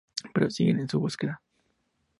Pero siguen en su búsqueda.